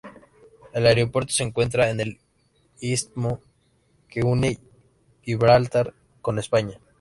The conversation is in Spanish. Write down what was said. El aeropuerto se encuentra en el istmo que une Gibraltar con España.